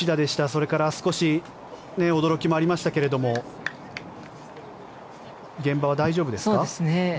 それから少し驚きもありましたけど現場は大丈夫ですか？